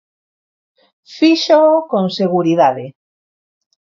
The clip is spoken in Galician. Fíxoo con seguridade.